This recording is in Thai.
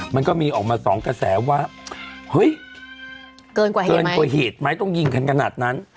มันก็มีออกมาสองกระแสว่าเฮ้ยเกินกว่าเหตุไหมต้องยิงกันขนาดนั้น